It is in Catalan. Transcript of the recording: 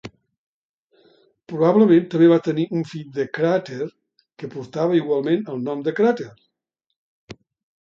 Probablement també va tenir un fill de Cràter que portava igualment el nom de Cràter.